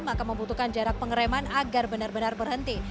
maka membutuhkan jarak pengereman agar benar benar berhenti